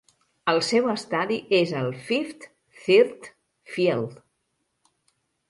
El seu estadi és el Fifth Third Field.